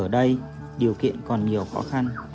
ở đây điều kiện còn nhiều khó khăn